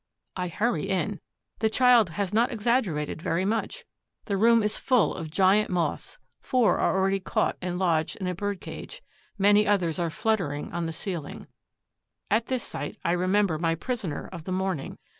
I hurry in. The child has not exaggerated very much. The room is full of giant Moths. Four are already caught and lodged in a bird cage. Many others are fluttering on the ceiling. At this sight, I remember my prisoner of the morning.